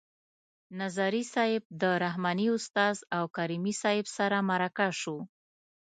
نظري صیب د رحماني استاد او کریمي صیب سره مرکه شو.